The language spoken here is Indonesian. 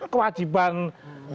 kewajiban suami untuk